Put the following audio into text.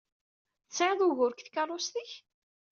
Tesɛiḍ ugur deg tkeṛṛust-ik?